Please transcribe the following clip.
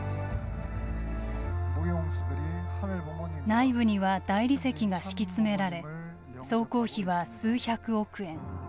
内部には大理石が敷き詰められ総工費は数百億円。